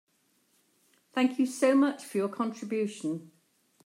Thank you so much for your contribution.